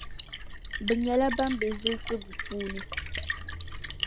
Bɛ nyεla ban be zilsigu puuni.